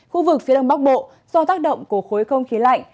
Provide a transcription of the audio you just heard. khu vực phía đông bắc bộ do tác động của khối không khí lạnh